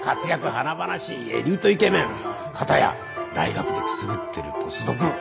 華々しいエリートイケメン片や大学でくすぶってるポスドク。